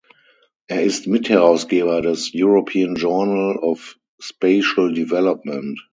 Er ist Mitherausgeber des "European Journal of Spatial Development".